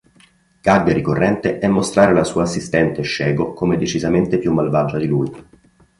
Gag ricorrente è mostrare la sua assistente Shego come decisamente più malvagia di lui.